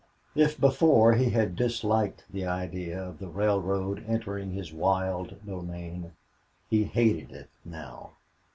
If before he had disliked the idea of the railroad entering his wild domain, he hated it now.